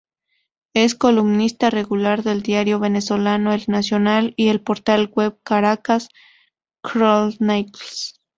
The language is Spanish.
Es columnista regular del diario venezolano El Nacional, y el portal Web Caracas Chronicles.